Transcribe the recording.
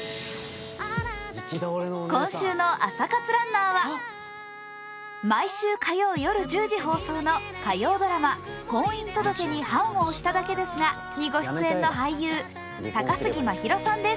今週の朝活ランナーは、毎週火曜夜１０時放送の火曜ドラマ「婚姻届に判を捺しただけですが」にご出演の俳優、高杉真宙さんです